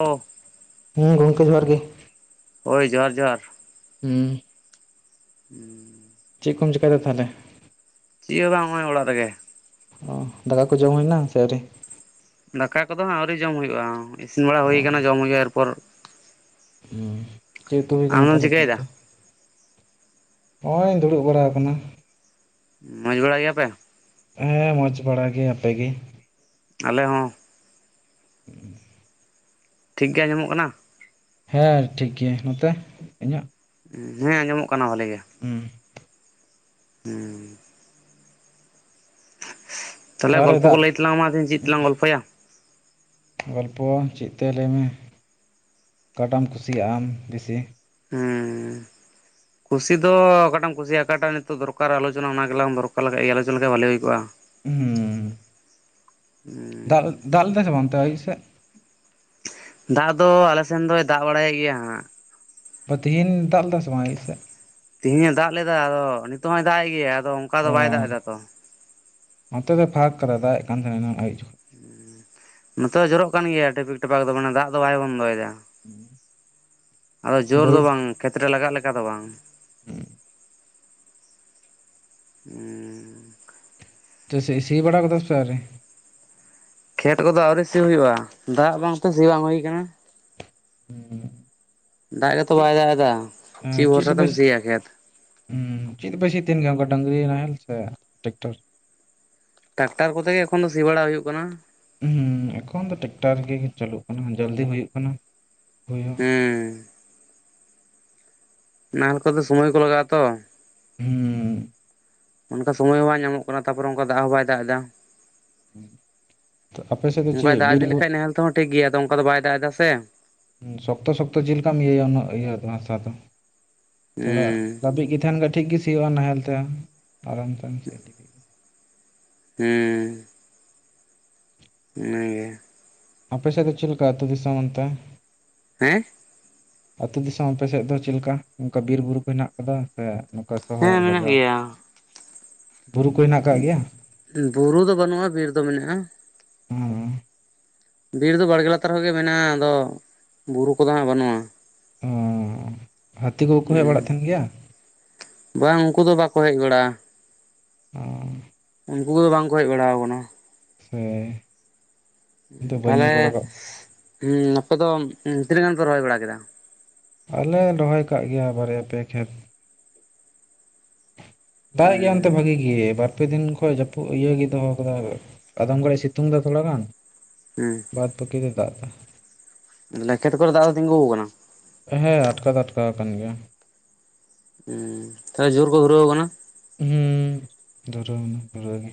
ᱚ᱾ ᱦᱮᱸ ᱜᱚᱝᱠᱮ, ᱡᱚᱦᱟᱨ ᱜᱮ᱾ ᱦᱳᱭ, ᱡᱚᱦᱟᱨ ᱡᱚᱦᱟᱨ᱾ ᱦᱩᱸ᱾ ᱦᱩᱸ᱾ ᱪᱮᱜ ᱠᱚᱢ ᱪᱤᱠᱟᱭᱫᱟ ᱛᱟᱦᱚᱞᱮ? ᱪᱤᱭᱟᱹ ᱦᱚᱸ ᱵᱟᱝ ᱱᱚᱜᱼᱚᱭ ᱚᱲᱟᱜ ᱨᱮᱜᱮ᱾ ᱚ ᱫᱟᱠᱟ ᱠᱚ ᱡᱚᱢ ᱦᱳᱭᱱᱟ ᱥᱮ ᱟᱹᱣᱨᱤ? ᱫᱟᱠᱟ ᱠᱚᱫᱚ ᱦᱟᱸᱜ ᱟᱹᱣᱨᱤ ᱡᱚᱢ ᱦᱩᱭᱩᱜᱼᱟ, ᱤᱥᱤᱱ ᱵᱟᱲᱟ ᱚ ᱦᱩᱭ ᱟᱠᱟᱱᱟ ᱡᱚᱢ ᱦᱩᱭᱩᱜᱼᱟ ᱮᱨᱯᱚᱨ᱾ ᱦᱩᱸ, ᱪᱮᱫ ᱩᱛᱩ ᱦᱩᱭ ᱠᱟᱱᱟ ᱟᱢᱫᱚᱢ ᱛᱟᱦᱞᱮ ᱛᱤᱦᱤᱱ ᱪᱤᱠᱟᱹᱭᱮᱫᱟ ᱫᱚ? ᱦᱚᱜᱼᱚᱭ ᱤᱧ ᱫᱩᱲᱩᱵ ᱵᱟᱲᱟ ᱠᱟᱱᱟ᱾ ᱢᱚᱸᱡᱽ ᱵᱟᱲᱟ ᱜᱮᱭᱟ ᱯᱮ? ᱦᱮᱸ, ᱢᱚᱡᱽ ᱵᱟᱲᱟ ᱜᱮ, ᱟᱯᱮ ᱜᱮ? ᱟᱞᱮ ᱦᱚᱸ᱾ ᱴᱷᱤᱠ ᱜᱮ ᱟᱹᱡᱚᱢᱚᱜ ᱠᱟᱱᱟ? ᱦᱮᱸ, ᱴᱷᱤᱠ ᱜᱮᱭᱟ ᱱᱚᱛᱮ ᱤᱧᱟᱜ? ᱦᱮᱸ, ᱟᱸᱡᱚᱢᱚᱜ ᱠᱟᱱᱟ ᱵᱷᱟᱞᱮ ᱜᱮ ᱦᱩᱸ᱾ ᱛᱟᱦᱚᱞᱮ ᱜᱚᱞᱯᱚ ᱠᱚ ᱞᱟᱹᱭ ᱛᱟᱞᱟᱝ ᱢᱮ, ᱛᱤᱦᱤᱝ ᱪᱮᱫ ᱛᱟᱞᱟᱝ ᱜᱚᱞᱯᱷᱚᱭᱟ᱾ ᱜᱚᱞᱯᱚ ᱪᱮᱫ ᱛᱮ ᱞᱟᱹᱭᱢᱮ ᱚᱠᱟᱴᱟᱜ ᱮᱢ ᱠᱩᱥᱤᱭᱟᱜ ᱟᱢ ᱵᱤᱥᱤ? ᱦᱩᱸᱻ᱾ [inaudible] ᱠᱩᱥᱤ ᱫᱚ ᱚᱠᱟᱴᱟᱜ ᱮᱢ ᱠᱩᱥᱤᱭᱟᱜᱼᱟ ᱚᱠᱟᱴᱟᱜ ᱱᱤᱛᱚᱜ ᱫᱚᱨᱠᱟᱨ ᱟᱞᱳᱪᱚᱱᱟ ᱚᱱᱟ ᱜᱮᱞᱟᱝ ᱫᱚᱨᱠᱟᱨ ᱞᱮᱠᱷᱟᱡ ᱜᱮ ᱟᱞᱚᱪᱚᱱᱟ ᱞᱮᱠᱷᱟᱡ ᱵᱷᱟᱹᱞᱤ ᱦᱩᱭ ᱠᱚᱜᱼᱟ ᱾ ᱦᱩᱸᱻ᱾ ᱦᱮᱸ᱾ ᱰᱟᱞ ᱫᱟᱜ ᱞᱮᱫᱟᱭ ᱥᱮ ᱵᱟᱝ ᱚᱱᱛᱮ ᱟᱹᱭᱩᱵ ᱥᱮᱫ? ᱫᱟᱜ ᱫᱚ ᱟᱞᱮ ᱥᱮᱱ ᱫᱚᱭ ᱫᱟᱜ ᱵᱟᱲᱟᱭᱮᱜ ᱜᱮᱭᱟ ᱦᱟᱸᱜ᱾ ᱚ ᱛᱤᱦᱤᱱ ᱫᱟᱜ ᱞᱮᱫᱟᱭ ᱥᱮ ᱵᱟᱝ ᱟᱹᱭᱩᱵ ᱥᱮᱫ? ᱛᱤᱦᱤᱧ ᱮ ᱫᱟᱜ ᱞᱮᱫᱟ, ᱟᱫᱚ ᱱᱤᱛᱚᱜ ᱦᱚᱸᱭ ᱫᱟᱜᱼᱮᱫ ᱜᱮᱭᱟ ᱟᱫᱚ ᱚᱱᱠᱟ ᱫᱚ ᱚᱻ ᱵᱟᱭ ᱫᱟᱜ ᱮᱫᱟ ᱛᱚ ᱱᱚᱛᱮ ᱫᱚᱭ ᱯᱷᱟᱠ ᱟᱠᱟᱫᱟ, ᱫᱟᱜ ᱮᱱ ᱠᱟᱱ ᱛᱟᱦᱮᱱᱟ ᱮᱱᱟᱝ ᱟᱭᱩᱵ ᱡᱚᱠᱷᱚᱱ᱾ ᱱᱚᱛᱮ ᱫᱚ ᱡᱚᱨᱚᱜ ᱠᱟᱱ ᱜᱮᱭᱟ ᱴᱤᱯᱤᱠ ᱴᱟᱯᱟᱠ ᱫᱚ, ᱢᱟᱱᱮ ᱫᱟᱜ ᱫᱚ ᱵᱟᱭ ᱵᱚᱱᱫᱚᱭᱮᱫᱟ ᱾ ᱟᱫᱚ ᱡᱳᱨ ᱵᱟᱹᱨᱩ ᱫᱚ ᱵᱟᱝ ᱠᱷᱮᱛ ᱨᱮ ᱞᱟᱜᱟᱜ ᱞᱮᱠᱟ ᱫᱚ ᱵᱟᱝ ᱾ [inaudible] ᱦᱩᱸᱻ᱾ ᱛᱚ ᱥᱤ, ᱥᱤ ᱵᱟᱲᱟ ᱠᱟᱫᱟᱢ ᱥᱮ ᱟᱹᱣᱨᱤ? ᱠᱷᱮᱛ ᱠᱚᱫᱚ ᱟᱹᱣᱨᱤ ᱥᱤ ᱦᱩᱭᱩᱜᱼᱟ, ᱫᱟᱜ ᱵᱟᱝᱛᱮ ᱥᱤ ᱵᱟᱝ ᱦᱩᱭ ᱠᱟᱱᱟ᱾ ᱦᱮᱸ᱾ ᱫᱟᱜ ᱜᱮᱛᱚ ᱵᱟᱭ ᱫᱟᱜ ᱮᱫᱟ, ᱪᱮᱫ ᱵᱷᱚᱨᱥᱟ ᱛᱮᱢ ᱥᱤᱭᱟ ᱠᱷᱮᱛ᱾ ᱦᱮᱸ, ᱪᱮᱫ ᱛᱮᱯᱮ ᱥᱤ ᱛᱟᱦᱮᱱ ᱜᱮᱭᱟ, ᱚᱱᱠᱟ ᱰᱟᱝᱨᱤ ᱱᱟᱦᱮᱞ ᱥᱮ ᱴᱮᱠᱴᱟᱨ᱾ ᱴᱨᱟᱠᱴᱟᱨ ᱠᱚᱛᱮ ᱜᱮ ᱮᱠᱷᱚᱱ ᱫᱚ ᱥᱤ ᱵᱟᱲᱟ ᱦᱩᱭᱩᱜ ᱠᱟᱱᱟ᱾ ᱦᱩᱸ, ᱮᱠᱷᱚᱱ ᱫᱚ ᱴᱮᱠᱴᱟᱨ ᱜᱮ ᱪᱟᱹᱞᱩᱜ ᱠᱟᱱᱟ ᱡᱚᱞᱫᱤ ᱦᱩᱭᱩᱜ ᱠᱟᱱᱟ᱾ ᱦᱩᱭ ᱦᱚᱸ ᱦᱮᱸ᱾ ᱱᱟᱦᱮᱞ ᱠᱚᱫᱚ ᱥᱚᱢᱚᱭ ᱠᱚ ᱞᱟᱜᱟᱜᱼᱟ ᱛᱚ᱾ ᱦᱩᱸ᱾ ᱚᱱᱠᱟ ᱥᱚᱢᱚᱭ ᱦᱚᱸ ᱵᱟᱝ ᱧᱟᱢᱚᱜ ᱠᱟᱱᱟ ᱛᱟᱯᱚᱨᱮ ᱚᱝᱠᱟ ᱫᱟᱜ ᱦᱚᱸ ᱵᱟᱭ ᱫᱟᱜ ᱮᱫᱟ᱾ ᱛᱚ ᱟᱯᱮ ᱥᱮᱫ ᱫᱚ ᱚᱱᱠᱟᱭ ᱪᱮᱫ ᱫᱟᱜ ᱵᱤᱨ ᱤᱫᱤ ᱵᱩᱨᱩ ᱞᱮᱠᱷᱟᱡ ᱱᱮᱦᱮᱞ ᱛᱮᱦᱚᱸ ᱴᱷᱤᱠᱜᱮᱭᱟ ᱟᱫᱚ ᱚᱝᱠᱟ ᱫᱚ ᱵᱟᱭ ᱫᱟᱜ ᱮᱫᱟ ᱥᱮ᱾ ᱥᱚᱠᱛᱚ-ᱥᱚᱠᱛᱚ ᱡᱮ ᱞᱮᱠᱟᱢ ᱤᱭᱟᱹᱭᱟ ᱩᱱᱟᱹᱜ ᱤᱭᱟᱹ ᱫᱚ ᱦᱟᱥᱟ ᱫᱚ᱾ ᱛᱷᱚᱲᱟ ᱦᱩᱸ ᱞᱟᱹᱵᱤᱫ ᱜᱤ ᱛᱮᱦᱮᱱ ᱠᱦᱟᱡ ᱴᱷᱤᱠ ᱜᱤ ᱥᱤᱭᱳᱜ-ᱟ ᱱᱟᱦᱮᱞ ᱛᱮ, ᱟᱨᱟᱢ ᱛᱮᱢ ᱥᱤ ᱤᱫᱤ ᱠᱮᱜ ᱜᱤ᱾ ᱦᱩᱸ ᱤᱱᱟᱜᱮ ᱟᱯᱮᱥᱮᱫ ᱫᱚ ᱪᱮᱫ ᱞᱮᱠᱟ ᱟᱹᱛᱩ ᱫᱤᱥᱚᱢ ᱚᱱᱛᱮ? ᱦᱮᱸ! ᱟᱹᱛᱩ ᱫᱤᱥᱚᱢ ᱟᱯᱮ ᱥᱮᱫ ᱫᱚ ᱪᱮᱫ ᱞᱮᱠᱟ ᱚᱱᱠᱟ ᱵᱤᱨ-ᱵᱩᱨᱩ ᱠᱚ ᱦᱮᱱᱟᱜ ᱠᱟᱫᱟ? ᱠᱟ ᱱᱚᱠᱟ ᱦᱮᱸ ᱥᱚᱦᱚᱨ ᱢᱮᱱᱟᱜ ᱵᱟᱡᱟᱨ, ᱜᱮᱭᱟ ᱵᱩᱨᱩ ᱠᱚ ᱦᱮᱱᱟᱜ ᱠᱟᱫ ᱜᱮᱭᱟ? ᱵᱩᱨᱩ ᱫᱚ ᱵᱟᱹᱱᱩᱜ-ᱟ ᱵᱤᱨ ᱫᱚ ᱢᱮᱱᱟᱜ-ᱟ᱾ ᱦᱩᱸ, ᱵᱤᱨ ᱫᱚ ᱵᱟᱲᱜᱮ ᱞᱟᱛᱟᱨ ᱠᱷᱚᱡ ᱜᱮ ᱢᱮᱱᱟᱜ-ᱟ, ᱟᱫᱚ ᱵᱩᱨᱩ ᱠᱚᱫᱚ ᱦᱟᱸᱜ ᱵᱟᱹᱱᱩᱜ-ᱟ᱾ ᱩᱸ ᱦᱟᱹᱛᱤ ᱠᱚ ᱠᱚ ᱦᱮᱡ ᱵᱟᱲᱟᱜ ᱦᱮᱸ ᱛᱟᱦᱮᱱ ᱜᱮᱭᱟ? ᱵᱟᱝ ᱩᱱᱠᱩ ᱫᱚ ᱵᱟᱠᱚ ᱦᱮᱡ ᱵᱟᱲᱟᱜ-ᱟ᱾ ᱚᱸᱻ ᱩᱱᱠᱩ ᱠᱚᱫᱚ ᱵᱟᱝ ᱠᱚ ᱦᱮᱡ ᱵᱟᱲᱟᱣ ᱟᱠᱟᱱᱟ᱾ ᱥᱮ ᱤᱧ ᱫᱚ ᱵᱟᱹᱧ ᱛᱟᱦᱞᱮ ᱧᱮᱞ ᱵᱟᱲᱟ ᱠᱟᱜ ᱦᱩᱸ ᱟᱯᱮ ᱫᱚ ᱛᱤᱱᱟᱹᱜ ᱜᱟᱱ ᱯᱮ ᱨᱚᱦᱚᱭ ᱵᱟᱲᱟ ᱠᱮᱫᱟ? ᱟᱞᱮ ᱨᱚᱦᱚᱭ ᱠᱟᱜ ᱜᱮᱭᱟ ᱵᱟᱨᱭᱟ ᱯᱮᱭᱟ ᱠᱷᱮᱛ᱾ ᱫᱟᱜ ᱮᱜ ᱜᱮᱭᱟ ᱚᱱᱛᱮ ᱦᱮᱸ ᱵᱷᱟᱜᱤ ᱜᱤ ᱵᱟᱨ ᱯᱮ ᱫᱤᱱ ᱠᱷᱚᱡ ᱡᱟᱹᱯᱩᱫ ᱤᱭᱟᱹᱜᱮ ᱫᱚᱦᱚ ᱟᱠᱟᱫᱟ ᱟᱫᱚᱢ ᱜᱟᱲᱤᱡ ᱥᱤᱛᱩᱝ ᱫᱟ ᱛᱷᱚᱲᱟ ᱜᱟᱱ ᱦᱩᱸ ᱵᱟᱫ ᱵᱟᱠᱤ ᱫᱚᱭ ᱫᱟᱜ ᱫᱟ᱾ ᱞᱮᱠᱷᱮᱛ ᱠᱚᱨᱮ ᱫᱟᱜ ᱫᱚ ᱛᱤᱸᱜᱩᱣ ᱟᱠᱟᱱᱟ᱾ ᱦᱮᱸ ᱟᱴᱠᱟᱣ ᱫᱚ ᱟᱴᱠᱟᱣ ᱟᱠᱟᱱ ᱜᱮᱭᱟ᱾ ᱦᱩᱸ [unintelligible] ᱡᱳᱨ ᱠᱚ ᱫᱷᱩᱨᱟᱹᱣ ᱠᱟᱱᱟ? ᱦᱩᱸ ᱫᱷᱚᱨᱟᱹᱣ [unintelligible] ᱫᱷᱩᱨᱟᱹᱣ ᱜᱮ᱾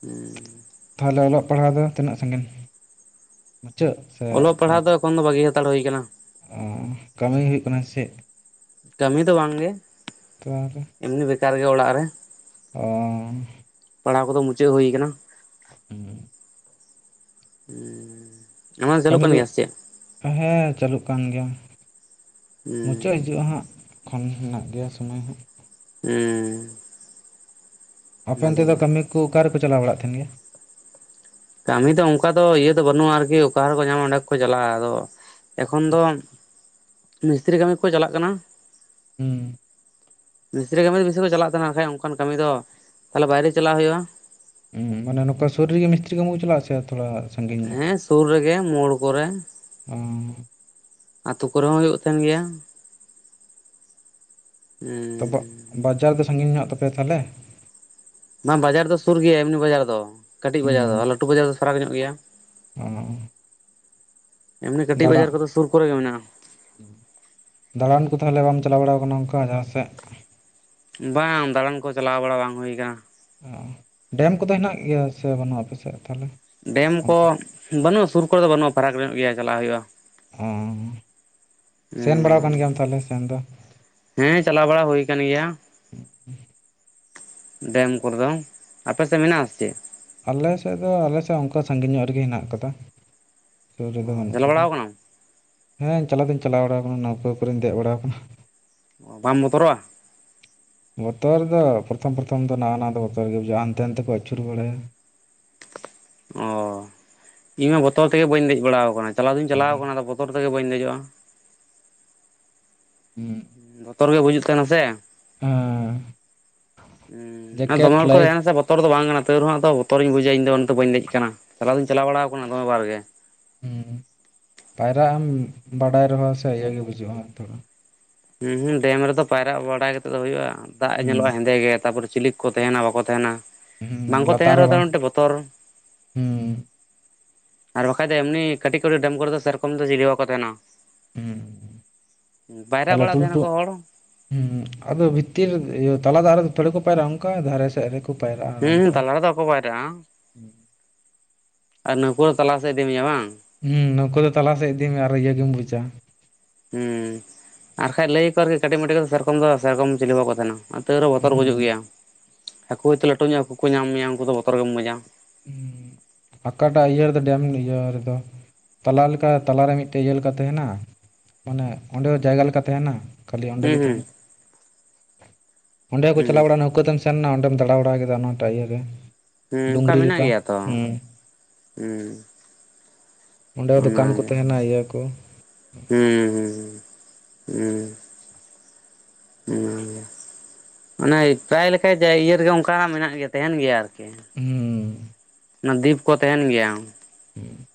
ᱦᱩᱸ ᱛᱟᱦᱚᱞᱮ ᱚᱞᱚᱜ ᱯᱟᱲᱦᱟᱣ ᱫᱚ ᱛᱤᱱᱟᱹᱜ ᱥᱟᱺᱜᱤᱧ? ᱢᱩᱪᱟᱹᱫ ᱥᱮ ᱟᱣᱨᱤ? ᱠᱷᱚᱱ ᱫᱚ ᱵᱟᱹᱜᱤ ᱦᱟᱛᱟᱲ ᱦᱩᱭ ᱠᱟᱱᱟ᱾ ᱚᱸ ᱠᱟᱹᱢᱤ ᱦᱩᱭᱩᱜ ᱠᱟᱱᱟ ᱥᱮᱫ? ᱠᱟᱹᱢᱤ ᱫᱚ ᱵᱟᱝᱜᱮ᱾ ᱛᱚᱣᱟᱦᱚᱞᱮ? ᱮᱢᱱᱤ ᱵᱮᱠᱟᱨ ᱜᱮ ᱚᱲᱟᱜ ᱨᱮ᱾ ᱚᱻ ᱯᱟᱲᱦᱟᱣ ᱠᱚᱫᱚ ᱢᱩᱪᱟᱹᱫ ᱦᱩᱭ ᱠᱟᱱᱟ᱾ ᱦᱩᱸ ᱦᱩᱸ ᱟᱢᱟᱜ ᱪᱟᱞᱩᱜ ᱠᱟᱹᱢᱤ ᱠᱟᱱ ᱠᱚ ᱜᱮᱭᱟ ᱥᱮ ᱪᱮᱫ? ᱦᱮᱸ ᱪᱟᱹᱞᱩᱜ ᱠᱟᱱ ᱜᱮᱭᱟ, ᱦᱮᱸ ᱢᱩᱪᱟᱹᱜ ᱦᱤᱡᱩᱜ-ᱟ ᱦᱟᱸᱜ᱾ ᱠᱷᱚᱱ ᱦᱮᱱᱟᱜ ᱜᱮᱭᱟ ᱥᱚᱢᱚᱭ ᱦᱟᱸᱜ᱾ ᱦᱩᱸ ᱟᱯᱮ ᱚᱱᱛᱮ ᱫᱚ ᱠᱟᱹᱢᱤ ᱠᱩ ᱚᱠᱟ ᱨᱮᱠᱚ ᱪᱟᱞᱟᱣ ᱵᱟᱲᱟᱜ ᱛᱟᱦᱮᱱ ᱜᱮᱭᱟ? ᱠᱟᱹᱢᱤ ᱫᱚ ᱚᱱᱠᱟ ᱫᱚ ᱤᱭᱟᱹ ᱫᱚ ᱵᱟᱹᱱᱩᱜ-ᱟ ᱟᱨᱠᱤ ᱚᱠᱟ ᱨᱮᱠᱚ ᱧᱟᱢᱟ ᱚᱸᱰᱮ ᱠᱚ ᱪᱟᱞᱟᱜ-ᱟ ᱟᱫᱚ ᱮᱠᱷᱚᱱ ᱫᱚ ᱢᱤᱥᱛᱨᱤ ᱠᱟᱹᱢᱤ ᱠᱚ ᱪᱟᱞᱟᱜ ᱠᱟᱱᱟ᱾ ᱦᱩᱸ᱾ ᱢᱤᱥᱛᱨᱤ ᱠᱟᱹᱢᱤ ᱵᱤᱥᱤ ᱠᱚ ᱪᱟᱞᱟᱜ ᱛᱟᱦᱮᱱᱟ ᱮᱸᱠᱷᱟᱡ ᱚᱱᱠᱟᱱ ᱠᱟᱹᱢᱤ ᱫᱚ ᱛᱟᱦᱚᱞᱮ ᱵᱟᱭᱨᱮ ᱪᱟᱞᱟᱜ ᱦᱩᱭᱩᱜᱼᱟ᱾ ᱦᱩᱸ ᱢᱟᱱᱮ ᱱᱚᱠᱟ ᱥᱩᱨ ᱨᱮᱜᱮ ᱢᱤᱥᱛᱨᱤ ᱠᱟᱹᱢᱩ ᱪᱟᱞᱟᱜᱼᱟ ᱥᱮ ᱛᱷᱚᱲᱟ ᱥᱟᱺᱜᱤᱧ ᱧᱚᱜ ᱦᱮᱸ ᱥᱩᱨ ᱨᱮᱜᱮ ᱢᱩᱲ ᱠᱚᱨᱮ᱾ ᱚᱸᱻ [inaudible] ᱟᱹᱛᱩ ᱠᱚᱨᱮ ᱦᱚᱸ ᱦᱩᱭᱩᱜ ᱛᱟᱦᱮᱱ ᱜᱮᱭᱟ᱾ [inaudible] ᱛᱚᱯᱚᱜ ᱦᱩᱸ ᱵᱟᱡᱟᱨ ᱫᱚ ᱥᱟᱺᱜᱤᱧ ᱧᱚᱜ ᱛᱟᱯᱮᱭᱟ ᱛᱟᱦᱚᱞᱮ? ᱵᱟᱝ ᱵᱟᱡᱟᱨ ᱫᱚ ᱥᱩᱨ ᱜᱮᱭᱟ, ᱮᱢᱱᱤ ᱵᱟᱡᱟᱨ ᱫᱚ ᱠᱟᱹᱴᱤᱡ ᱵᱟᱡᱟᱨ ᱫᱚ ᱟᱨ ᱞᱟᱹᱴᱩ ᱵᱟᱡᱟᱨ ᱫᱚ ᱯᱷᱟᱨᱟᱠ ᱧᱚᱜ ᱜᱮᱭᱟ᱾ ᱚᱸ ᱚᱸ ᱮᱢᱱᱤ ᱠᱟᱹᱴᱤᱡ ᱵᱟᱡᱟᱨ ᱠᱚᱫᱚ ᱥᱩᱨ ᱠᱚᱨᱮ ᱜᱮ ᱢᱮᱱᱟᱜᱼᱟ᱾‌ ᱫᱟᱲᱟᱱ ᱠᱚ ᱛᱟᱦᱚᱞᱮ ᱵᱟᱢ ᱪᱟᱞᱟᱣ ᱵᱟᱲᱟᱣ ᱟᱠᱟᱱᱟ ᱚᱸᱠᱟ ᱡᱟᱦᱟᱸ ᱥᱮᱜ? ᱵᱟᱝ ᱫᱟᱲᱟᱱ ᱠᱚ ᱪᱟᱞᱟᱣ ᱵᱟᱲᱟ ᱵᱟᱝ ᱦᱩᱭ ᱠᱟᱱᱟ᱾ ᱚ, ᱰᱮᱢ ᱠᱚᱫᱚ ᱦᱮᱱᱟᱜ ᱜᱮᱭᱟ ᱥᱮ ᱵᱟᱹᱱᱩᱜᱼᱟ ᱟᱯᱮ ᱥᱮᱫ ᱛᱟᱦᱞᱮ? ᱰᱮᱢ ᱠᱚ ᱵᱟᱹᱱᱩᱜᱼᱟ ᱥᱩᱨ ᱠᱚᱨᱮ ᱫᱚ ᱵᱟᱹᱱᱩᱜᱼᱟ᱾ ᱯᱷᱟᱨᱟᱠ ᱧᱚᱜ ᱜᱮᱭᱟ ᱪᱟᱞᱟᱜ ᱦᱩᱭᱩᱜᱼᱟ᱾ ᱚᱸᱻ ᱥᱮᱱ ᱵᱟᱲᱟᱣ ᱦᱩᱸ ᱠᱟᱱ ᱜᱮᱭᱟᱢ ᱛᱟᱦᱚᱞᱮ ᱥᱮᱱ ᱫᱚ? ᱦᱮᱸ ᱪᱟᱞᱟᱣ ᱵᱟᱲᱟ ᱦᱩᱭ ᱠᱟᱱ ᱜᱮᱭᱟ᱾ ᱰᱮᱢ ᱠᱚᱨᱮ ᱫᱚ ᱟᱯᱮ ᱥᱮᱜ ᱢᱮᱱᱟᱜ-ᱟ ᱥᱮ ᱪᱮᱫ? ᱟᱞᱮᱥᱮᱜ ᱫᱚ ᱟᱞᱮᱥᱮᱜ ᱚᱸᱠᱟ ᱥᱟᱺᱜᱤᱧ ᱧᱚᱜ ᱨᱮᱜᱮ ᱦᱮᱱᱟᱜ ᱟᱠᱟᱫᱟ᱾ ᱥᱩᱨ ᱨᱮᱫᱚ ᱚ ᱵᱟᱹᱱᱩᱜ ᱪᱟᱞᱟᱣ ᱠᱟᱫᱟ᱾ ᱵᱟᱲᱟᱣ ᱠᱟᱱᱟᱢ ᱦᱮᱸ ᱪᱟᱞᱟᱣ ᱫᱚᱧ ᱪᱟᱞᱟᱣ ᱵᱟᱲᱟᱣ ᱟᱠᱟᱱᱟ ᱱᱟᱹᱣᱠᱟᱹ ᱠᱚᱨᱮ ᱯᱩᱨᱟᱹᱧ ᱫᱮᱜ ᱵᱟᱲᱟ ᱠᱟᱱᱟ᱾ ᱚ ᱵᱟᱢ ᱵᱚᱛᱚᱨᱚᱜᱼᱟ? ᱵᱚᱛᱚᱨ ᱫᱚ ᱯᱨᱚᱛᱷᱚᱢ ᱯᱨᱚᱛᱷᱚᱢ ᱫᱚ ᱱᱟᱣᱟ ᱱᱟᱣᱟ ᱫᱚ ᱵᱚᱛᱚᱨ ᱜᱮ ᱵᱩᱡᱷᱟᱹᱜᱼᱟ᱾ ᱦᱟᱱᱛᱮ ᱱᱟᱛᱮ ᱠᱚ ᱟᱹᱪᱩᱨ ᱵᱟᱲᱟᱭᱟ᱾ ᱚ ᱤᱧᱢᱟ ᱵᱚᱛᱚᱞ ᱛᱮᱜᱮ ᱵᱟᱹᱧ ᱫᱮᱡ ᱵᱟᱲᱟᱣ ᱟᱠᱟᱱᱟ ᱪᱟᱞᱟᱣ ᱫᱚᱧ ᱪᱟᱞᱟᱣ ᱟᱠᱟᱱᱟ ᱟᱫᱚ ᱵᱚᱛᱼᱼ ᱛᱚᱨ ᱛᱮᱜᱮ ᱵᱟᱹᱧ ᱫᱮᱡᱚᱜᱼᱟ᱾ ᱦᱩᱸ, ᱵᱚᱛᱚᱨ ᱜᱮ ᱵᱩᱡᱩᱜ ᱛᱟᱦᱮᱱᱟ ᱥᱮ᱾ ᱦᱮᱸ, ᱩᱸ, ᱟᱨ ᱫᱚᱢᱮ ᱡᱮᱠᱮᱴ ᱦᱚᱲ ᱠᱚ ᱞᱟᱭᱤᱯᱷ ᱛᱟᱦᱮᱱᱟ ᱥᱮ ᱵᱚᱛ [inaudible] ᱛᱚᱨ ᱫᱚ ᱵᱟᱝ ᱠᱟᱱᱟ ᱛᱟᱹᱣᱨᱮᱦᱚᱸ ᱟᱫᱚ ᱵᱚᱛᱚᱨ ᱤᱧ ᱵᱩᱡᱟ ᱤᱧᱫᱚ ᱩᱱᱟᱛᱮ ᱵᱟᱹᱧ ᱫᱮᱡ ᱟᱠᱟᱱᱟ᱾ ᱪᱟᱞᱟᱣ ᱫᱚᱧ ᱪᱟᱞᱟᱣ ᱵᱟᱲᱟᱣ ᱠᱟᱱᱟ ᱫᱚᱢᱮ ᱵᱟᱨ ᱜᱮ᱾ ᱩᱸ ᱯᱟᱭᱨᱟᱜ ᱮᱢ ᱵᱟᱰᱟᱭ ᱥᱮ ᱤᱭᱟᱹ ᱜᱮ ᱵᱩᱡᱩᱜ-ᱟ᱾ ᱛᱷᱚᱲᱟ ᱩᱸ ᱦᱩᱸ ᱰᱮᱢ ᱨᱮᱫᱚ ᱯᱟᱭᱨᱟᱜ ᱵᱟᱲᱟᱭ ᱠᱟᱛᱮᱜ ᱫᱚ ᱦᱩᱭᱩᱜᱼᱟ, ᱫᱟᱜ ᱮ ᱦᱩᱸ, ᱧᱮᱞᱚᱜᱼᱟ ᱦᱮᱸᱫᱮ ᱜᱮ᱾ ᱛᱟᱯᱚᱨᱮ ᱪᱤᱞᱤᱠ ᱠᱚ ᱛᱟᱦᱮᱱᱟ ᱵᱟᱠᱚ ᱛᱟᱦᱮᱱᱟ ᱦᱩᱸ, ᱵᱟᱝᱠᱚ ᱛᱟᱦᱮᱱ ᱞᱟᱛᱟᱨ ᱦᱚᱸ ᱨᱮᱦᱚᱸ ᱛᱚ ᱵᱟᱝ ᱢᱤᱫᱴᱮᱜ ᱵᱚᱛᱚᱨ᱾ ᱦᱩᱸ, ᱟᱨ ᱵᱟᱠᱷᱟᱡ ᱫᱚ ᱮᱢᱱᱤ ᱠᱟᱹᱴᱤᱡ ᱠᱚᱨᱮ ᱰᱮᱢ ᱠᱚᱨᱮ ᱫᱚ, ᱥᱮᱨᱚᱠᱚᱢ ᱫᱚ ᱪᱤᱞᱤ ᱦᱚᱸ ᱵᱟᱠᱚ ᱛᱟᱦᱮᱱᱟ᱾ ᱩᱸ ᱟ ᱯᱟᱭᱨᱟᱜ ᱞᱟᱹᱴᱩ ᱵᱟᱲᱟᱜ ᱞᱟᱹᱴᱩ ᱛᱟᱦᱮᱱᱟᱠᱚ ᱦᱚᱲ ᱩᱜᱸ, ᱟᱫᱚ ᱵᱷᱤᱛᱤᱨ ᱤᱭᱟᱹ ᱛᱟᱞᱟ ᱫᱟᱜ ᱨᱮᱫᱚ ᱛᱷᱚᱲᱮ ᱠᱚ ᱯᱟᱭᱨᱟᱜᱼᱟ, ᱚᱱᱠᱟ ᱫᱷᱟᱨᱮ ᱥᱮᱜ ᱨᱮᱠᱚ ᱯᱟᱭᱨᱟᱜᱼᱟ ᱟᱨᱟᱢ ᱦᱩᱸ ᱥᱮ᱾ ᱛᱟᱞᱟ ᱨᱮᱫᱚ ᱵᱟᱠᱚ ᱯᱟᱭᱨᱟᱜᱼᱟ ᱟᱨ ᱱᱟᱹᱣᱠᱟᱹ ᱦᱚᱸ ᱛᱟᱞᱟᱥᱮᱜ ᱤᱫᱤ ᱢᱮᱭᱟ᱾ ᱵᱟᱝ? ᱦᱩᱸ, ᱱᱟᱹᱣᱠᱟᱹ ᱫᱚ ᱛᱟᱞᱟᱥᱮᱫ ᱤᱫᱤ ᱢᱮᱭᱟ ᱟᱨ ᱤᱭᱟᱹ ᱜᱮᱢ ᱵᱩᱡᱟ᱾ ᱦᱩᱸ, ᱟᱨᱠᱷᱟᱡ ᱞᱟᱹᱭ ᱟᱠᱚ ᱠᱟᱹᱴᱤᱡ ᱢᱟᱹᱴᱤᱡ ᱫᱚ ᱥᱮᱨᱚᱠᱚᱢ ᱫᱚ ᱥᱮᱨᱚᱠᱚᱢ ᱪᱤᱞᱤ ᱦᱚᱸ ᱠᱚ ᱛᱟᱦᱮᱱᱟ᱾ ᱛᱟᱹ ᱨᱮᱦᱚ ᱵᱚᱛᱚᱨ ᱵᱩᱡᱩᱜ ᱦᱩᱸ, ᱜᱮᱭᱟ᱾ ᱦᱟᱹᱠᱩ ᱦᱚᱭᱛᱳ ᱞᱟᱹᱴᱩ ᱧᱚᱜᱼᱟ ᱦᱟᱹᱠᱩ ᱠᱚ ᱧᱟᱢ ᱢᱮᱭᱟ, ᱩᱱᱠᱩ ᱫᱚ ᱵᱚᱛᱚᱨ ᱜᱮᱢ ᱵᱩᱡᱟ᱾ ᱦᱩᱸ, ᱟᱠᱟᱴᱟᱜ ᱤᱭᱟᱹ ᱨᱮᱫᱚ ᱰᱮᱢ ᱱᱤᱭᱟᱹ ᱨᱮᱫᱚ᱾ ᱛᱟᱞᱟ ᱞᱮᱠᱟ ᱛᱟᱞᱟ ᱨᱮ ᱢᱤᱫᱴᱮᱡ ᱤᱭᱟᱹ ᱞᱮᱠᱟ ᱛᱟᱦᱮᱱᱟ᱾ ᱢᱟᱱᱮ ᱚᱸᱰᱮ ᱦᱚᱸ ᱡᱟᱭᱜᱟ ᱞᱮᱠᱟ ᱛᱟᱦᱮᱱᱟ᱾ ᱠᱷᱟᱹᱞᱤ ᱚᱸᱰᱮ ᱜᱮ ᱦᱩᱸ ᱛᱟᱦᱮᱱᱟ᱾ ᱦᱩᱸ ᱚᱸᱰᱮ ᱦᱚᱸᱠᱚ ᱪᱟᱞᱟᱣ ᱦᱩᱸ ᱵᱟᱲᱱᱟᱜ-ᱟ ᱱᱟᱹᱣᱠᱟᱹ ᱛᱟᱱᱥᱼᱼ ᱥᱮᱱ ᱱᱟ ᱚᱸᱰᱮᱢ ᱫᱟᱲᱟ ᱵᱟᱲᱟ ᱠᱮᱫᱟ ᱚᱱᱟ ᱴᱟᱜ ᱤᱭᱟᱹ ᱜᱮ᱾ ᱦᱩᱸ ᱚᱸᱠᱟ ᱢᱮᱱᱟᱜ ᱜᱮᱭᱟ ᱛᱚ, ᱩᱸ᱾ ᱚᱸᱰᱮ ᱦᱚ ᱫᱚᱠᱟᱱ ᱠᱚ ᱛᱟᱦᱮᱱᱟ᱾ ᱤᱭᱟᱹ ᱠᱚ ᱦᱩᱸ ᱦᱩᱸ ᱦᱩᱸ ᱩᱸ ᱦᱩᱸ ᱚᱱᱟᱭ ᱯᱨᱟᱭ ᱞᱮᱠᱟ ᱡᱮ ᱤᱭᱟᱹ ᱨᱮ ᱜᱮ ᱚᱸᱠᱟ ᱢᱮᱱᱟᱜ ᱜᱮ ᱛᱟᱦᱮᱱ ᱜᱮᱭᱟ ᱟᱨ᱾ [inaudible] ᱠᱮ ᱦᱮᱸ [inaudible] ᱚᱱᱟ ᱫᱤᱯ ᱠᱚ ᱛᱟᱦᱮᱱ ᱜᱮᱭᱟ ᱾ ᱷᱩᱸᱦ ᱾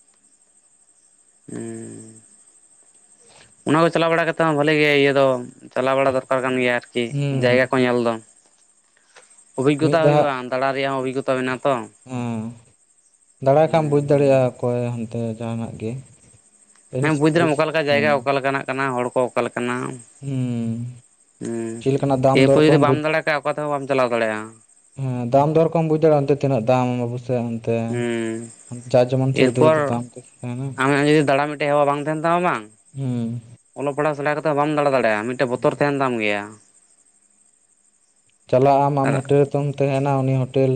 ᱷᱩᱸᱦ ᱚᱱᱟ ᱠᱚ ᱪᱟᱞᱟᱣ ᱵᱟᱲᱟ ᱠᱟᱛᱮ ᱦᱚᱸ ᱵᱷᱟᱞᱮᱹ ᱜᱮᱭᱟ ᱤᱭᱟᱹ ᱫᱚ ᱾ ᱪᱟᱞᱟᱣ ᱵᱟᱲᱟ ᱫᱚᱨᱠᱟᱨ ᱠᱟᱱ ᱜᱮᱭᱟ ᱟᱨᱠᱤ, ᱦᱮᱸ ᱡᱟᱭᱜᱟ ᱠᱚ ᱧᱮᱞ ᱫᱚ ᱢᱤᱫ ᱚᱵᱷᱤᱜᱚᱛᱟ ᱦᱩᱭᱩᱜᱼᱟ ᱾ ᱫᱟᱬᱟ ᱨᱮᱭᱟᱜ ᱦᱚᱸᱚᱵᱷᱤᱜᱚᱛᱟ ᱢᱮᱱᱟᱜ-ᱟ ᱛᱚ ᱾ ᱩᱸᱦ, ᱫᱟᱲᱟᱭ ᱠᱷᱟᱢ ᱵᱩᱡᱽ ᱫᱟᱲᱮᱭᱟᱜᱼᱟ ᱚᱠᱚᱭ ᱦᱟᱱᱛᱮ ᱡᱟᱦᱟᱱᱟᱜ ᱜᱮ ᱾ ᱦᱮᱸ, ᱵᱩᱡᱽ ᱫᱟᱲᱮᱭᱟᱜᱢ ᱚᱠᱟ ᱞᱮᱠᱟ ᱡᱟᱭᱜᱟ ᱚᱠᱟ ᱞᱮᱠᱟᱱᱟᱜ ᱠᱟᱱᱟ ᱦᱚᱲ ᱠᱚ ᱚᱠᱟ ᱞᱮᱠᱟᱱᱟ ᱦᱩᱸ ᱾ ᱮᱸ ᱪᱮᱫ ᱞᱮᱠᱟᱱᱟᱜ ᱫᱟᱢ ᱮᱹᱯᱚ ᱫᱚᱨ ᱦᱚ ᱡᱩᱫᱤ ᱠᱚᱦᱚᱢ ᱵᱟᱢ ᱫᱟᱲᱮᱭᱟᱜ ᱠᱷᱟᱜ ᱚᱠᱟ ᱛᱮᱦᱚᱸ ᱵᱟᱢ ᱪᱟᱞᱟᱣ ᱫᱟᱲᱮᱭᱟᱜᱼᱟ ᱾ ᱮᱸ ᱫᱟᱢ ᱫᱚᱨ ᱠᱚᱢ ᱵᱩᱡᱽ ᱫᱟᱲᱮᱭᱟᱜᱼᱟ ᱚᱱᱛᱮ ᱛᱤᱱᱟᱹᱜ ᱫᱟᱢ ᱟᱯᱮ ᱥᱮᱜ? ᱦᱩᱸᱻ ᱾ ᱮᱹᱨᱯᱚᱨ ᱡᱩᱫᱟᱹ ᱫᱟᱢ ᱠᱚ ᱛᱟᱦᱮᱱᱟ ᱟᱢᱟᱜ ᱡᱩᱫᱤ ᱫᱟᱬᱟᱱ ᱢᱤᱫ ᱴᱮᱡ ᱦᱚ ᱦᱮᱣᱟ ᱵᱟᱝ ᱛᱟᱦᱮᱱ ᱛᱟᱢᱟ ᱵᱟᱝ ᱦᱩᱸᱻ ᱾ ᱚᱞᱚᱜ ᱯᱟᱲᱦᱟᱜ ᱥᱮᱲᱟ ᱠᱟᱛᱮᱜ ᱦᱚ ᱵᱟᱢ ᱫᱟᱬᱟ ᱫᱟᱲᱮᱭᱟᱜᱼᱟ ᱢᱤᱫ ᱴᱮᱡ ᱵᱚᱛᱚᱨ ᱛᱟᱦᱮᱱ ᱛᱟᱢ ᱜᱮᱭᱟ ᱾ ᱪᱟᱞᱟᱜ ᱟᱢ ᱟᱢ ᱟᱨ ᱦᱳᱴᱮᱹᱞ ᱱᱤᱛᱚᱢ ᱛᱟᱦᱮᱱᱟ ᱩᱱᱤ ᱦᱳᱴᱮᱹᱞ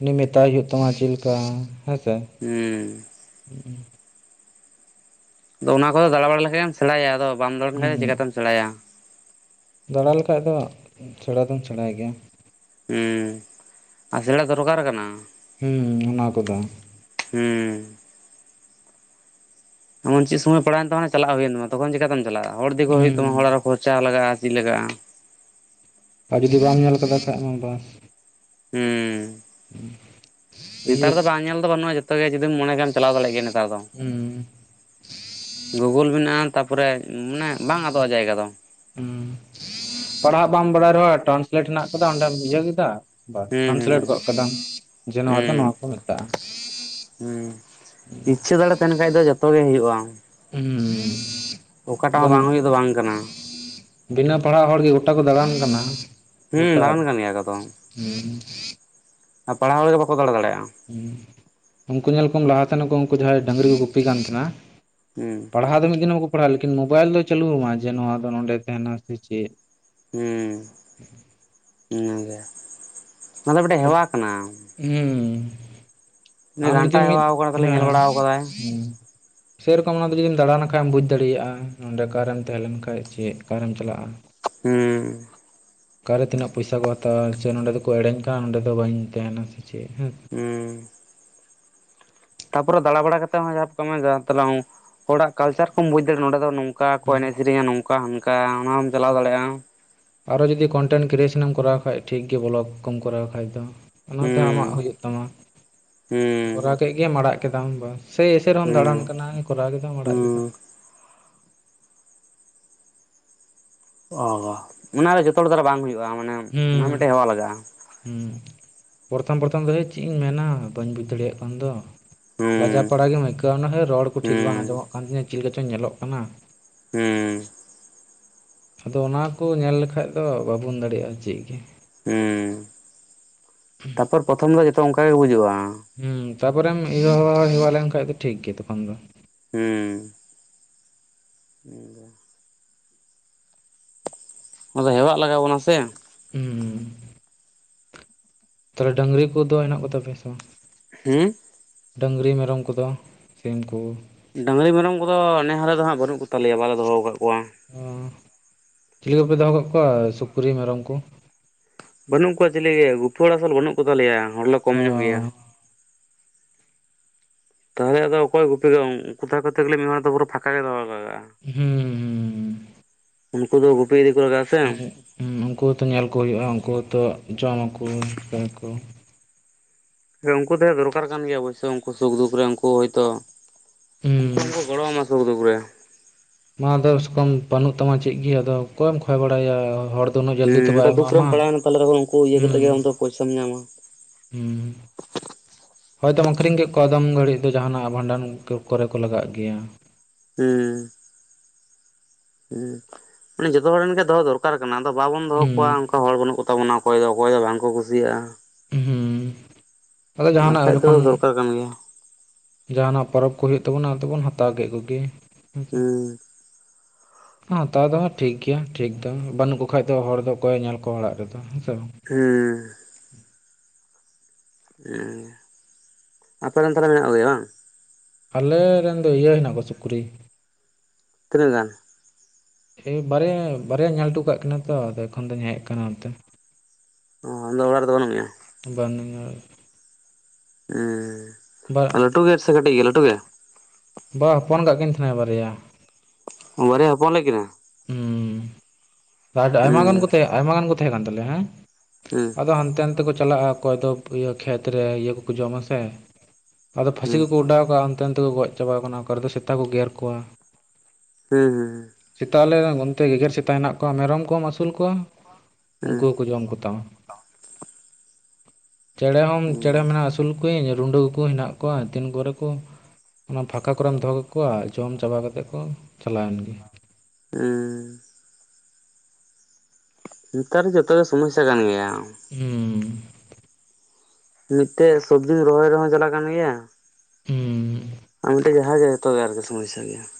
ᱩᱱᱤ ᱢᱮᱛᱟᱭ ᱦᱩᱭᱩᱜ ᱛᱟᱢᱟ ᱪᱮᱫ ᱞᱮᱠᱟ ᱦᱮᱸ ᱥᱮ? ᱦᱩᱸᱻ ᱾ ᱥᱩ---ᱜ ᱾ ᱚᱱᱟ ᱠᱚ ᱫᱚ ᱫᱟᱬᱟ ᱵᱟᱲᱟ ᱞᱮᱠᱷᱟᱡ ᱮᱢ ᱥᱮᱬᱟᱭᱟ ᱟᱫᱚ ᱵᱟᱢ ᱫᱟᱲᱟ ᱦᱩᱸ ᱞᱮᱠᱷᱟᱡ ᱪᱮᱠᱟ ᱛᱮᱢ ᱥᱮᱬᱟᱭᱟ? ᱫᱟᱬᱟ ᱞᱮᱠᱷᱟᱡ ᱫᱚᱜ ᱥᱮᱬᱟ ᱫᱚᱢ ᱥᱮᱬᱟᱭ ᱜᱮᱭᱟ ᱾ ᱩᱸᱻ ᱟᱨ ᱥᱮᱲᱟ ᱫᱚᱨᱠᱟᱨ ᱠᱟᱱᱟ ᱾ ᱦᱩᱸᱦ, ᱯ-ᱪᱟᱜ ᱚᱱᱟ ᱠᱚ ᱫᱚ ᱪᱟ--ᱜ, ᱦᱩᱸᱦ ᱾ ᱮᱢᱚᱱ ᱪᱮᱜ ᱥᱚᱢᱚᱭ ᱯᱟᱲᱟᱣᱮᱱ ᱛᱟᱢᱟ ᱪᱟᱞᱟᱜ ᱦᱳᱭᱮᱱ ᱛᱟᱢᱟ ᱛᱚᱠᱷᱚᱱ ᱪᱮᱠᱟ ᱛᱮᱢ? ᱪᱟᱞᱟᱜ ᱦᱚᱲ ᱤᱫᱤ ᱠᱚ ᱦᱳᱭᱳᱜ ᱦᱩᱸ ᱛᱟᱢᱟ ᱦᱚᱲ ᱟᱨ ᱦᱚ ᱠᱷᱚᱨᱪᱟ ᱞᱟᱜᱟᱜᱼᱟ ᱟᱨ ᱪᱤᱫ ᱞᱟᱜᱟᱜᱼᱟ ᱾ ᱟᱨ ᱡᱩᱫᱤ ᱵᱟᱢ ᱧᱮᱞ ᱟᱠᱟᱫᱟ ᱠᱷᱟᱡ ᱢᱟ ᱵᱟᱥ ᱦᱩᱸᱦ ᱤᱭᱟᱹ ᱱᱮᱛᱟᱨ ᱫᱚ ᱵᱟᱝ ᱧᱮᱞ ᱫᱚ ᱵᱟᱹᱱᱩᱜᱼᱟ ᱡᱚ ᱛᱚ ᱜᱮ ᱡᱩᱫᱤᱢ ᱢᱚᱱᱮ ᱠᱷᱟᱢ ᱪᱟᱞᱟᱣ ᱫᱟᱲᱮᱜ ᱜᱮᱭᱟ ᱱᱮᱛᱟᱨ ᱫᱚ ᱦᱩᱸ ᱜᱩᱜᱩᱞ ᱢᱮᱱᱟᱜᱼᱟ ᱛᱟᱯᱚᱨᱮ ᱩᱢᱟᱱᱮ ᱵᱟᱝ ᱟᱫᱚᱜᱼᱟ ᱡᱟᱭᱜᱟ ᱫᱚ ᱾ ᱦᱩᱸ ᱱᱮᱹᱴ ᱦᱮᱱᱟᱜ ᱟᱠᱟᱫᱟ ᱚᱸᱰᱮᱢ ᱤᱭᱟᱹ ᱠᱮᱫᱟ ᱵᱟᱥ, ᱦᱩᱸ ᱴᱨᱟᱱᱥᱞᱮᱹᱴ ᱦᱩᱸ ᱜᱚᱫ ᱠᱟᱫᱟᱢ ᱡᱮ ᱱᱚᱣᱟ ᱫᱚ ᱱᱚᱣᱟ ᱠᱚ ᱢᱮᱛᱟᱜᱼᱟ ᱾ ᱦᱮᱸᱜ ᱦᱩᱸᱜ ᱛᱟᱦᱮᱱ ᱠᱷᱟᱡ ᱫᱚ ᱡᱚᱛᱚ ᱜᱮ ᱦᱳᱭᱳᱜᱼᱟ, ᱦᱩᱸ ᱚᱠᱟᱴᱟᱜ ᱦᱚᱸ ᱵᱟᱝ ᱦᱳᱭ ᱫᱚ ᱵᱟᱝ ᱠᱟᱱᱟ ᱾ ᱵᱤᱱᱟ ᱯᱟᱲᱦᱟᱜ ᱦᱚᱲ ᱜᱮ ᱜᱚᱴᱟ ᱠᱚ ᱫᱟᱬᱟᱱ ᱠᱟᱱᱟ, ᱦᱩᱸ ᱜᱚᱴᱟ ᱫᱟᱬᱟᱱ ᱠᱟᱱ ᱜᱮᱭᱟ ᱠᱚ ᱟ ᱯᱟᱲᱦᱟᱣ ᱦᱚᱲ ᱜᱮ ᱵᱟᱠᱚ ᱫᱟᱲᱟ ᱫᱟᱲᱮᱭᱟᱜᱼᱟ ᱾ ᱦᱩᱸ ᱩᱱᱠᱩ ᱧᱮᱞ ᱠᱚᱢ ᱞᱟᱦᱟ ᱛᱮᱱ ᱠᱩ ᱩᱱᱠᱩ ᱡᱟᱦᱟᱭ ᱰᱟᱝᱨᱤ ᱠᱚ ᱜᱩᱯᱤ ᱠᱟᱱ ᱛᱟᱦᱮᱱᱟ ᱩᱸᱦ ᱾ ᱯᱟᱲᱦᱟᱣ ᱫᱚ ᱢᱤᱫ ᱫᱤᱱ ᱦᱚ ᱵᱟᱠᱚ ᱯᱟᱲᱟᱜᱼᱟ ᱞᱮᱠᱤᱱ ᱢᱳᱵᱟᱭᱤᱞ ᱫᱚᱭ ᱪᱟᱹᱞᱩᱣᱟᱢᱟ ᱡᱮ ᱱᱚᱣᱟ ᱫᱚ ᱱᱚᱸᱰᱮ ᱛᱟᱦᱮᱱᱟ ᱥᱮ ᱪᱮᱫ ᱾ ᱦᱩᱸ, ᱚᱱᱟ ᱜᱮ ᱚᱱᱟ ᱫᱚ ᱢᱤᱫ ᱴᱮᱱ ᱦᱮᱣᱟ ᱠᱟᱱᱟ ᱾ ᱦᱩᱸᱦ ᱩᱱᱤ ᱟᱢ ᱡᱩᱫᱤ ᱜᱷᱟᱱᱴᱟ ᱢᱤᱫ ᱦᱮᱣᱟ ᱟᱠᱟᱱᱟ ᱛᱟᱦᱞᱮ ᱧᱮᱞ ᱦᱮᱸᱦ ᱾ ᱵᱟᱲᱟ ᱟᱠᱟᱫᱟᱭ ᱥᱮᱹᱨᱚᱠᱚᱢ ᱟᱢ ᱫᱚ ᱡᱩᱫᱤᱢ ᱫᱟᱬᱟ ᱱᱟᱠᱷᱟᱢ ᱵᱩᱡᱽ ᱫᱟᱲᱮᱭᱟᱜᱼᱟ ᱱᱚᱸᱰᱮ ᱠᱟᱨᱮᱢ ᱛᱟᱦᱮᱸ ᱞᱮᱱ ᱠᱷᱟᱱ ᱪᱮᱫ ᱚᱠᱟᱨᱮᱢ ᱪᱟᱞᱟᱜᱼᱟ ᱾ ᱪᱟ--ᱜ ᱦᱩᱸᱦ ᱾ ᱚᱠᱟᱨᱮ ᱛᱤᱱᱟᱹᱜ ᱯᱚᱭᱥᱟ ᱠᱚ ᱦᱟᱛᱟᱣᱟ ᱥᱮ ᱱᱚᱸᱰᱮ ᱫᱚ ᱠᱚ ᱮᱲᱮᱧ ᱠᱟᱱ ᱚᱸᱰᱮ ᱫᱚ ᱵᱟᱹᱧ ᱛᱟᱦᱮᱱᱟ ᱥᱮ ᱪᱮᱫ ᱾ ᱩᱸᱦ ᱾ ᱛᱟᱯᱚᱨᱮ ᱫᱟᱲᱟ ᱵᱟᱲᱟ ᱠᱟᱛᱮ ᱡᱟᱦᱟᱢ ᱵᱩᱡᱟ ᱦᱚᱲᱟᱜ ᱠᱟᱞᱪᱟᱨ ᱠᱚᱢ ᱵᱩᱡᱽ ᱫᱟᱲᱮᱭᱟᱜ-ᱟ ᱱᱚᱰᱮ ᱫᱚ ᱱᱚᱝ ᱟᱠᱟ ᱠᱚ ᱮᱱᱮᱡ ᱥᱮᱹᱨᱮᱹᱧᱟ ᱱᱚᱝᱠᱟ ᱦᱟᱱᱠᱟ ᱚᱱᱟ ᱦᱚᱢ ᱪᱟᱞᱟᱣ ᱫᱟᱲᱮᱭᱟᱜᱼᱟ ᱾ ᱟᱨᱚ ᱡᱩᱫᱤ ᱠᱚᱱᱴᱮᱱᱴ ᱠᱨᱤᱭᱮᱹᱥᱮᱱᱮᱢ ᱠᱚᱨᱟᱣ ᱠᱷᱟᱡ ᱴᱷᱤᱠ ᱜᱮ ᱵᱞᱚᱠ ᱠᱚᱢ ᱠᱚᱨᱟᱣ ᱠᱷᱟᱡ ᱫᱚ ᱾ ᱚᱱᱟᱛᱮ ᱟᱢᱟᱜ ᱦᱩᱸ ᱦᱩᱭᱩᱜ ᱛᱟᱢᱟ᱾ ᱦᱩᱸ ᱠᱚᱨᱟᱣ ᱠᱮᱫ ᱜᱮᱢ ᱟᱲᱟᱜ ᱠᱮᱫᱟᱢ ᱵᱟᱥ, ᱥᱮᱭ ᱮᱥᱮ ᱨᱮᱦᱚᱢ ᱫᱟᱬᱟᱱ ᱦᱩᱸ ᱠᱟᱱᱟ ᱠᱚᱨᱟᱣ ᱠᱮᱫᱟᱢ ᱟᱲᱟᱜ ᱠᱮᱫᱟᱢ᱾ ᱦᱩᱸ ᱚ ᱚᱱᱟᱨᱮ ᱡᱚᱛᱚ ᱦᱚᱲ ᱫᱟᱨᱟ ᱵᱟᱝ ᱦᱩᱭᱩᱜᱼᱟ ᱢᱟᱱᱮ, ᱚᱱᱟ ᱦᱩᱸ ᱢᱮᱫᱴᱮᱡ ᱦᱮᱣᱟ ᱞᱟᱜᱟᱜᱼᱟ᱾ ᱦᱩᱸ ᱯᱚᱨᱛᱷᱚᱢ ᱯᱚᱨᱛᱷᱚᱢ ᱫᱚ ᱦᱳᱭᱳᱜ-ᱟ ᱪᱮᱫ ᱤᱧ ᱢᱮᱱᱟ ᱵᱟᱹᱧ ᱵᱩᱡᱽ ᱫᱟᱲᱮᱭᱟᱜ ᱠᱟᱱ ᱫᱚ᱾ ᱞᱟᱡᱟ ᱦᱩᱸ ᱯᱟᱲᱟ ᱜᱮᱢ ᱟᱹᱭᱠᱟᱹᱣᱟ ᱚᱱᱟ ᱦᱮᱸ ᱨᱚᱲ ᱠᱚ ᱴᱷᱤᱠ ᱵᱟᱝ ᱦᱩᱸ ᱟᱸᱡᱚᱢᱚᱜ ᱠᱟᱱ ᱛᱤᱧᱟᱹ ᱪᱮᱫ ᱞᱮᱠᱟᱪᱚᱧ ᱧᱮᱞᱚᱜ ᱠᱟᱱᱟ᱾ ᱦᱮᱸ᱾ ᱟᱫᱚ ᱚᱱᱟ ᱠᱚ ᱧᱮᱞ ᱞᱮᱠᱷᱟᱡ ᱫᱚ ᱵᱟᱵᱚᱱ ᱫᱟᱲᱮᱭᱟᱜᱼᱟ ᱪᱮᱫ ᱜᱮ᱾ ᱦᱮᱸ, ᱛᱟᱯᱚᱨ ᱯᱚᱛᱷᱚᱢ ᱫᱚ ᱡᱚᱛᱚ ᱚᱱᱠᱟ ᱜᱮ ᱵᱩᱡᱩᱜᱼᱟ᱾ ᱦᱩᱸ ᱛᱟᱯᱚᱨᱮᱢ ᱤᱭᱟᱹ ᱦᱮᱣᱟ ᱦᱮᱣᱟ ᱞᱮᱱᱠᱷᱟᱡ ᱫᱚ ᱴᱷᱤᱠ ᱜᱮ ᱛᱚᱠᱷᱚᱱ ᱫᱚ᱾ ᱦᱩᱸ᱾ ᱱᱤᱭᱟᱹ ᱜᱮ᱾ ᱟᱫᱚ ᱦᱮᱣᱟᱜ ᱞᱟᱜᱟᱣ ᱵᱚᱱᱟ ᱥᱮ᱾ ᱦᱩᱸ᱾ ᱛᱟᱦᱞᱮ ᱰᱟᱹᱝᱨᱤ ᱠᱚᱫᱚ ᱦᱮᱱᱟᱜ ᱠᱚᱛᱟ ᱯᱮᱭᱟ ᱥᱮ ᱵᱟᱝ? ᱦᱩᱸ? ᱰᱟᱹᱝᱨᱤ ᱢᱮᱨᱚᱢ ᱠᱚᱫᱚ, ᱥᱤᱢ ᱠᱚ᱾ ᱵᱟᱝᱨᱤ ᱢᱮᱨᱚᱢ ᱠᱚᱫᱚ ᱱᱮ ᱦᱟᱞᱮ ᱫᱚ ᱦᱟᱸᱜ ᱵᱟᱹᱱᱩᱜ ᱠᱚ ᱛᱟᱞᱮᱭᱟ ᱵᱟᱞᱮ ᱫᱚᱦᱚ ᱟᱠᱟᱫ ᱠᱚᱣᱟ᱾ ᱚ ᱪᱤᱞᱤ ᱠᱚᱯᱮ ᱫᱚᱦᱚ ᱠᱟᱜ ᱠᱚᱣᱟ ᱥᱩᱠᱨᱤ ᱢᱮᱨᱚᱢ ᱠᱚ? ᱵᱟᱹᱱᱩᱜ ᱠᱚᱣᱟ ᱪᱤᱞᱤ ᱜᱮ ᱜᱩᱯᱤ ᱦᱚᱲ ᱟᱥᱚᱞ ᱵᱟᱹᱱᱩᱜ ᱠᱚ ᱛᱟᱞᱮᱭᱟ ᱦᱚᱲ ᱞᱮ ᱠᱚᱢ ᱚ ᱧᱚᱜ ᱜᱮᱭᱟ᱾ ᱛᱟᱦᱚᱞᱮ ᱟᱫᱚ ᱚᱠᱚᱭ ᱜᱩᱯᱤ ᱫᱚ ᱩᱱᱠᱩ ᱛᱟᱦᱮᱸ ᱠᱚᱛᱮ ᱜᱮᱞᱮ ᱢᱤᱫ ᱦᱚᱲ ᱫᱚ ᱯᱩᱨᱟᱹ ᱯᱷᱟᱠᱟ ᱜᱮ ᱫᱚᱦᱚ ᱞᱟᱜᱟᱜᱼᱟ᱾ ᱦᱩᱸ᱾ ᱦᱩᱸ ᱩᱱᱠᱩ ᱫᱚ ᱜᱩᱯᱤ ᱤᱫᱤ ᱠᱚ ᱞᱟᱜᱟ-ᱟ᱾ ᱩᱸᱜ ᱩᱱᱠᱩ ᱦᱚᱸ ᱛᱚ ᱧᱮᱞ ᱠᱚ ᱦᱩᱭᱩᱜᱼᱟ, ᱩᱱᱠᱩ ᱦᱚᱸ ᱛᱚ ᱡᱚᱢᱟ ᱠᱚ ᱪᱤᱠᱟᱹᱟ ᱠᱚ᱾ ᱦᱳᱭ ᱩᱱᱠᱩ ᱛᱟᱦᱮᱸ ᱚᱨᱠᱟᱨ ᱠᱟᱱ ᱜᱮᱭᱟ ᱚᱵᱚᱥᱥᱳ ᱩᱱᱠᱩ ᱥᱩᱠᱫᱩᱠ ᱨᱮ ᱩᱱᱠᱩ ᱦᱳᱭᱛᱚ ᱩᱱᱠᱩ ᱦᱚᱸ ᱦᱩᱸ ᱠᱚ ᱜᱚᱲᱚᱣᱟᱢᱟ ᱥᱩᱠᱷ ᱫᱩᱠᱷ ᱨᱮ᱾ ᱢᱟ ᱟᱫᱚᱥ ᱠᱚᱢ ᱵᱟᱹᱱᱩᱜ ᱛᱟᱢᱟ ᱪᱮᱫ ᱜᱮ ᱟᱫᱚ ᱚᱠᱚᱭᱮᱢ ᱠᱷᱚᱭ ᱵᱟᱲᱟᱭᱭᱟ ᱦᱚᱲ ᱫᱚ ᱩᱱᱟᱹᱜ ᱡᱚᱞᱫᱤ ᱛᱚ ᱦᱮᱸ ᱚᱱᱠᱟ ᱵᱟᱭ ᱫᱩᱠ ᱨᱮᱢ ᱮᱢᱟᱢᱟ ᱯᱟᱲᱟᱣᱮᱱᱟ ᱛᱟᱦᱞᱮ ᱛᱚᱠᱷᱚᱱ ᱩᱱᱠᱩ ᱤᱭᱟᱹ ᱠᱟᱛᱮᱜ ᱜᱮ ᱟᱢ ᱫᱚ ᱯᱚᱭᱥᱟᱢ ᱧᱟᱢᱟ᱾ ᱦᱩᱸ ᱦᱩᱸ᱾ ᱦᱚᱳᱭᱛᱚᱢ ᱟᱹᱠᱷᱨᱤᱧ ᱠᱮᱫ ᱠᱚᱣᱟ ᱟᱫᱚᱢ ᱜᱷᱟᱹᱲᱤᱡ ᱫᱚ ᱡᱟᱦᱟᱱᱟᱜ ᱵᱷᱟᱸᱰᱟᱱ ᱠᱚᱨᱮ ᱠᱚ ᱞᱟᱜᱟᱜ ᱜᱮᱭᱟ᱾ ᱦᱮᱸ᱾ ᱦᱮᱸ ᱢᱟᱱᱮ ᱡᱷᱚᱛᱚ ᱦᱚᱲ ᱨᱮᱱ ᱜᱮ ᱫᱚᱦᱚ ᱫᱚᱨᱠᱟᱨ ᱠᱟᱱᱟ ᱟᱫᱚ ᱵᱟᱵᱚᱱ ᱫᱚᱦᱚ ᱠᱚᱣᱟ ᱦᱩᱸ ᱚᱱᱠ ᱦᱚᱲ ᱵᱟᱹᱱᱩᱜ ᱠᱚᱛᱟ ᱵᱚᱱᱟ ᱚᱠᱚᱭ ᱫᱚ ᱚᱠᱚᱭ ᱫᱚ ᱵᱟᱝ ᱠᱚ ᱠᱩᱥᱤᱭᱟᱜᱼᱟ᱾ ᱦᱩᱸ ᱟᱫᱚ ᱟᱨ ᱡᱟᱦᱟᱱᱟᱜ ᱠᱷᱟᱡ ᱫᱚ ᱡᱚᱠᱷᱚᱱ ᱫᱚᱨᱠᱟᱨ ᱠᱟᱱ ᱜᱮᱭᱟ᱾ ᱡᱟᱦᱟᱱᱟᱜ ᱯᱚᱨᱚᱵᱽ ᱠᱚ ᱦᱩᱭᱩᱜ ᱛᱟᱵᱚᱱᱟ ᱚ ᱛᱮᱵᱚᱱ ᱦᱟᱛᱟᱣ ᱠᱮᱫ ᱠᱚᱜᱮ᱾ ᱦᱩᱸ᱾ ᱦᱮ ᱦᱟᱛᱟᱣ ᱫᱚ ᱦᱟᱸᱜ ᱴᱷᱤᱠ ᱜᱮᱭᱟ ᱴᱷᱤᱠ ᱫᱚ, ᱵᱟᱹᱱᱩᱜ ᱠᱚ ᱠᱷᱟᱡ ᱫᱚ ᱦᱚᱲ ᱫᱚ ᱚᱠᱚᱭᱮ ᱧᱮᱞ ᱠᱚᱣᱟ ᱚᱲᱟᱜ ᱨᱮᱫᱚ, ᱦᱮᱸ ᱥᱮ ᱵᱟᱝ? ᱦᱮᱸ᱾ ᱮᱸ, ᱟᱯᱮ ᱨᱮᱱ ᱛᱟᱞᱦᱮ ᱢᱮᱱᱟᱜ ᱠᱚᱜᱮᱭᱟ ᱵᱟᱝ? ᱟᱞᱮ ᱨᱮᱱ ᱫᱚ ᱤᱭᱟᱹ ᱦᱮᱱᱟᱜ ᱠᱚᱣᱟ ᱥᱩᱠᱨᱤ᱾ ᱛᱤᱱᱟᱹᱜ ᱜᱟᱱ? [unintelligible] ᱮᱭ ᱵᱟᱨᱭᱟ ᱵᱟᱨᱭᱟᱧ ᱧᱮᱞ ᱦᱚᱴᱚ ᱠᱟᱜ ᱠᱤᱱᱟ ᱛᱚ ᱟᱫᱚ ᱮᱠᱷᱚᱱ ᱫᱩᱧ ᱦᱮᱡ ᱠᱟᱱᱟ ᱱᱚᱛᱮ᱾ ᱚ ᱟᱢ ᱫᱚ ᱚᱲᱟᱜ ᱨᱮᱫᱚ ᱵᱟᱹᱱᱩᱜ ᱢᱮᱭᱟ? ᱵᱟᱹᱱᱩᱧᱟ᱾ ᱵᱟ ᱩᱸ ᱞᱟᱴᱩ ᱜᱮᱭᱟ ᱥᱮ ᱠᱟᱴᱤᱡ ᱜᱮᱭᱟ, ᱞᱟᱹᱴᱩ ᱜᱮ? ᱵᱟ ᱦᱚᱯᱚᱱ ᱠᱟᱜ ᱠᱤᱱ ᱛᱟᱦᱮᱱᱟᱭ ᱵᱟᱨᱭᱟ᱾ ᱵᱟᱨᱭᱟᱭ ᱦᱚᱯᱚᱱ ᱞᱮᱫ ᱠᱤᱱᱟ? ᱦᱩᱸ, ᱟᱰ-ᱟᱭᱢᱟ ᱜᱟᱱ ᱠᱚ ᱦᱮᱸ ᱛᱟᱦᱮᱸ ᱟᱭᱢᱟ ᱜᱟᱱ ᱠᱚ ᱛᱟᱦᱮᱸ ᱠᱟᱱ ᱛᱟᱞᱮᱭᱟ ᱦᱮᱸ ᱾ ᱦᱮᱸ ᱾ ᱟᱫᱚ ᱦᱟᱱᱛᱮ ᱱᱟᱱᱛᱮ ᱠᱚ ᱪᱟᱞᱟᱜᱼᱟ ᱚᱠᱚᱭ ᱫᱚ ᱤᱭᱟᱹ ᱠᱷᱮᱛᱨᱮ ᱤᱭᱟᱹ ᱠᱚᱠᱚ ᱡᱚᱢᱟ ᱥᱮ ᱾ ᱟᱫᱚ ᱯᱷᱟᱥᱤ ᱦᱮᱸ ᱠᱚᱠᱚ ᱚᱰᱟᱣ ᱠᱟᱜᱼᱟ ᱚᱱᱛᱮ ᱱᱚᱛᱮ ᱠᱚ ᱜᱚᱡ ᱪᱟᱵᱟᱣ ᱠᱟᱱᱟ, ᱚᱠᱟ ᱨᱮ ᱫᱚ ᱥᱮᱛᱟ ᱠᱚ ᱜᱮᱨ ᱠᱚᱣᱟ ᱾ ᱦᱩᱸ ᱦᱩᱸ ᱦᱩᱸ ᱾ ᱥᱮᱛᱟ ᱟᱞᱮ ᱚᱱᱛᱮ ᱜᱮᱜᱮᱨ ᱥᱮᱛᱟ ᱦᱮᱱᱟᱜ ᱠᱚᱣᱟ ᱢᱮᱨᱚᱢ ᱠᱚᱢ ᱟᱹᱥᱩᱞ ᱠᱚᱣᱟ ᱳᱝᱠᱳ ᱦᱮᱸ ᱦᱚᱸᱠᱚ ᱡᱚᱢ ᱠᱚᱛᱟᱢᱟ ᱾ ᱪᱮᱬᱮ ᱦᱚᱸᱢ ᱪᱮᱬᱮ ᱦᱮᱸ ᱢᱮᱱᱟ ᱟᱹᱥᱩᱞ ᱠᱚᱣᱤᱧ ᱨᱩᱰᱟᱹ ᱠᱚᱠᱚ ᱦᱮᱱᱟᱜ ᱠᱚᱣᱟ ᱛᱤᱱ ᱠᱚᱨᱮ ᱠᱚ ᱚᱱᱟ ᱯᱷᱟᱸᱠᱟ ᱠᱚᱨᱮᱢ ᱫᱚᱦᱚ ᱠᱟᱠᱚᱣᱟ ᱡᱚᱢ ᱪᱟᱵᱟ ᱠᱟᱛᱮᱫ ᱠᱚ ᱪᱟᱞᱟᱣᱮᱱ ᱜᱮ ᱾ ᱮᱸᱻ ᱱᱮᱛᱟᱨ ᱡᱚᱛᱚ ᱜᱮ ᱥᱚᱢᱚᱥᱥᱟ ᱠᱟᱱ ᱜᱮᱭᱟ ᱾ ᱦᱩᱸ ᱾ ᱢᱤᱫᱴᱮᱡ ᱥᱚᱵᱽᱡᱤ ᱨᱚᱦᱚᱭ ᱨᱮᱦᱚᱸ ᱡᱟᱞᱟᱜ ᱠᱟᱱ ᱜᱮᱭᱟ, ᱟ ᱢᱤᱫᱴᱮᱡ ᱡᱟᱦᱟᱸ ᱜᱮ ᱡᱚᱛᱚ ᱜᱮ ᱟᱨᱠᱮ ᱥᱚᱢᱚᱥᱥᱟ ᱜᱮᱭᱟ ᱾